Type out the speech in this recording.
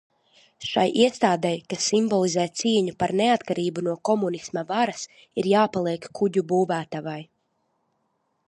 Šai iestādei, kas simbolizē cīņu par neatkarību no komunisma varas, ir jāpaliek kuģu būvētavai.